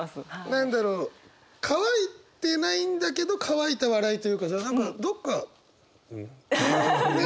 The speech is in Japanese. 何だろう乾いてないんだけど乾いた笑いというかさ何かどっか。ね。